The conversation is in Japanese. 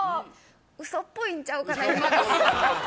嘘っぽいんちゃうんかな。